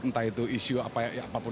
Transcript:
entah itu isu apapun